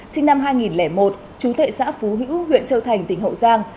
sinh năm hai nghìn một chú thệ xã phú hữu huyện châu thành tỉnh hậu giang